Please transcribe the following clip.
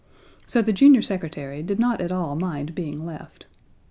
So the junior secretary did not at all mind being left.